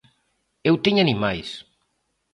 Eu teño animais.